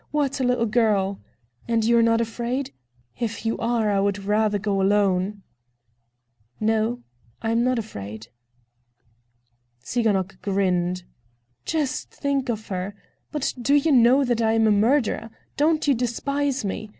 What a little girl! And you're not afraid? If you are, I would rather go alone!" "No, I am not afraid." Tsiganok grinned. "Just think of her! But do you know that I am a murderer? Don't you despise me?